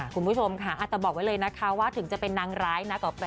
คุณผู้ชมค่ะอาจจะบอกไว้เลยนะคะว่าถึงจะเป็นนางร้ายนะ